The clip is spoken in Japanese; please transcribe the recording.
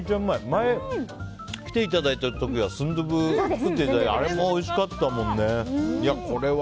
前、来ていただいた時はスンドゥブを作っていただいてあれもおいしかったもんね。